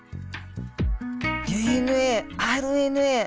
ＤＮＡＲＮＡ